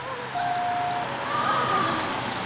・あららら。